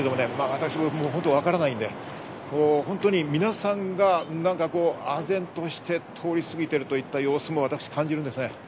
私もわからないので本当に皆さんがあ然として通り過ぎているといった様子も感じるんですね。